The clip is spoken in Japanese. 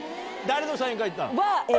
誰のサイン会行ったの？